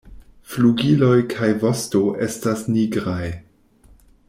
Flugiloj kaj vosto estas nigraj.